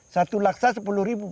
satu laksa sepuluh ribu